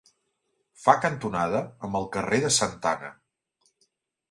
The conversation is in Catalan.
Fa cantonada amb el carrer de Santa Anna.